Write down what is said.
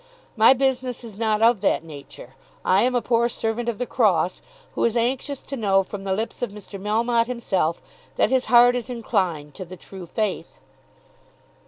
"My business is not of that nature. I am a poor servant of the Cross, who is anxious to know from the lips of Mr. Melmotte himself that his heart is inclined to the true Faith."